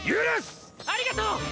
ありがとう！